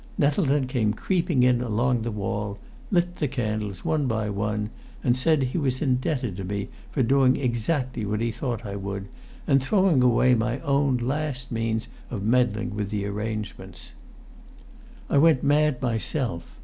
Nettleton came creeping in along the wall, lit the candles one by one, and said he was indebted to me for doing exactly what he thought I would, and throwing away my own last means of meddling with his arrangements! I went mad myself.